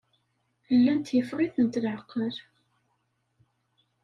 Llant yeffeɣ-itent leɛqel.